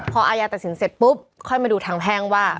พออายาตัดสินเสร็จปุ๊บค่อยมาดูทางแพ่งว่า